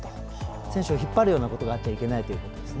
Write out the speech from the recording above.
選手を引っ張るようなことがあっちゃいけないと。